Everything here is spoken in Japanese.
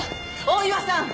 大岩さん。